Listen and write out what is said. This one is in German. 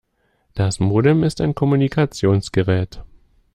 Das Modem ist ein Kommunikationsgerät.